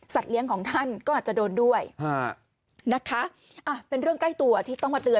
เลี้ยงของท่านก็อาจจะโดนด้วยนะคะอ่ะเป็นเรื่องใกล้ตัวที่ต้องมาเตือน